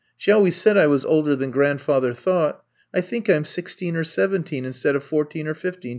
She always said I was older than grandfather thought. I think I'm sixteen or seventeen, instead of fourteen or fifteen.